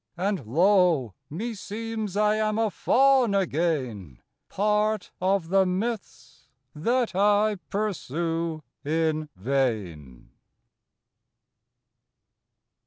And, lo! meseems I am a Faun again, Part of the myths that I pursue in vain.